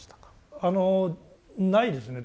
あのないですね